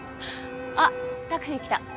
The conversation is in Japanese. あっタクシー来た。